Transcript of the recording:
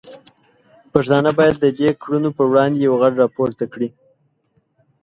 پښتانه باید د دې کړنو پر وړاندې یو غږ راپورته کړي.